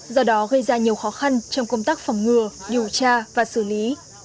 do đó gây ra nhiều khó khăn trong công tác phòng ngừa điều tra và xử lý